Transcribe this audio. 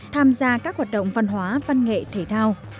tham gia các hoạt động văn hóa văn nghệ thể thao